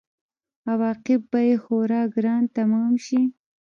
عواقب به یې خورا ګران تمام شي.